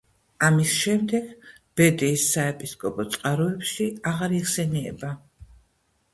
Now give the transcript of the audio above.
ამის შემდეგ ბედიის საეპისკოპოსო წყაროებში აღარ იხსენიება.